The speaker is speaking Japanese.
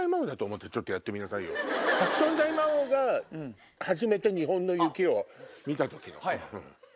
ハクション大魔王が初めて日本の雪を見た時。